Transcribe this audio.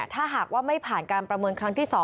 ถ้าหากว่าไม่ผ่านการประเมินครั้งที่๒